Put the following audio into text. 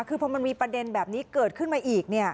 คือพอมันมีประเด็นแบบนี้เกิดขึ้นมาอีก